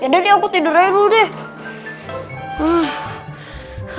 udah deh aku tidur aja dulu deh